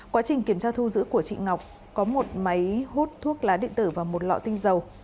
quá trình kiểm tra thu giữ của chị ngọc có một máy hút thuốc lá điện tử và một lọ tinh dầu